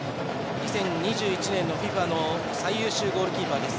２０２１年のＦＩＦＡの最優秀ゴールキーパーです。